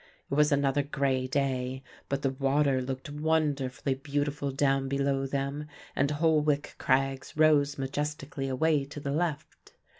It was another grey day, but the water looked wonderfully beautiful down below them, and Holwick crags rose majestically away to the left.